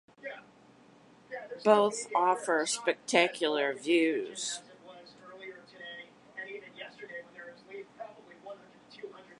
Both offer spectacular views.